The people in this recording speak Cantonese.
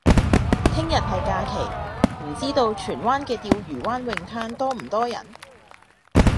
聽日係假期，唔知道荃灣嘅釣魚灣泳灘多唔多人？